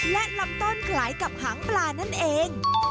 และลำต้นคล้ายกับหางปลานั่นเอง